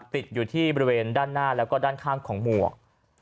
ติดอยู่ที่บริเวณด้านหน้าแล้วก็ด้านข้างของหมวก